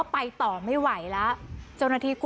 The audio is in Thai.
กลับด้านหลักหลักหลัก